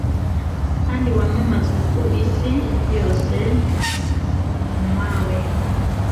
kandi wamamazwe, ku isi yose mawe